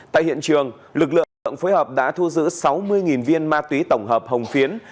tại hiện trường lực lượng phối hợp đã thu giữ sáu mươi viên ma túy tổng hợp hồng phiến